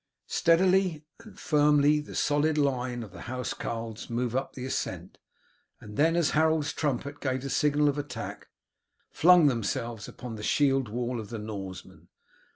Steadily and firmly the solid line of the housecarls moved up the ascent, and then as Harold's trumpet gave the signal of attack, flung themselves upon the shield wall of the Norsemen.